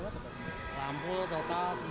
rampu total semua